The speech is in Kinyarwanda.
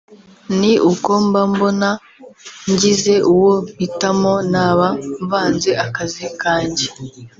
ni’uko mba mbona ngize uwo mpitamo naba mvanze akazi kanjye